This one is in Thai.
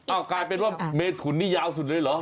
กลายเป็นว่าเมถุนนี่ยาวสุดเลยเหรอ